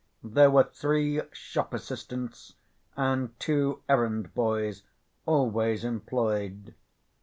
There were three shop‐assistants and two errand boys always employed.